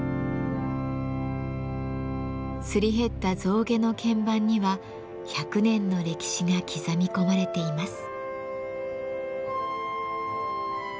すり減った象牙の鍵盤には１００年の歴史が刻み込まれています。